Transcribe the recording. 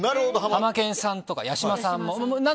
ハマケンさんとか、八嶋さんも。